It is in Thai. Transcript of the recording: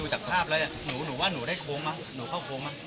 หนูว่าหนูได้โค้งมะเห็นข้อโค้งมา